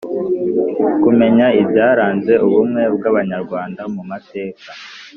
Kumenya ibyaranze ubumwe bw Abanyarwanda mu mateka